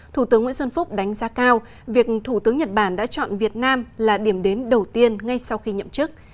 thủ tướng nguyễn xuân phúc đánh giá cao việc thủ tướng nhật bản đã chọn việt nam là điểm đến đầu tiên ngay sau khi nhậm chức